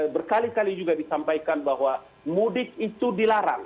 berkali kali juga disampaikan bahwa mudik itu dilarang